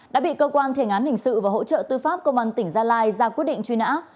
đã bị cơ quan thiền án hình sự và hỗ trợ tư pháp công an tỉnh gia lai ra quyết định truy nã